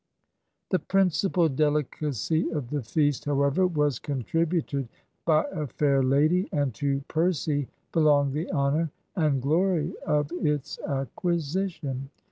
The principal delicacy of the feast, however, was contributed by a fair lady, and to Percy belonged the honour and glory of its acquisition.